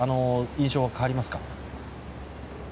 印象は変わりますか？